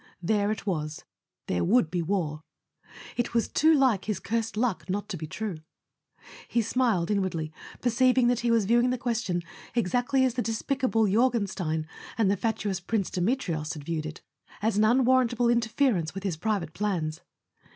There it was—there would be war! It was too like his cursed luck not to be true. .. He smiled inwardly, perceiving that he was viewing the question exactly as the despicable Jorgenstein and the fatuous Prince Demetrios had viewed it: as an un¬ warrantable interference with his private plans.